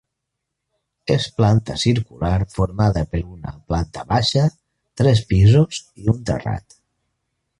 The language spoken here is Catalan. És planta circular formada per una planta baixa, tres pisos i un terrat.